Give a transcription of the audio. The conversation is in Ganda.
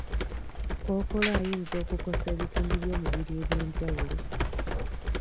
Kkookolo ayinza okukosa ebitundu by'omubiri eby'enjawulo.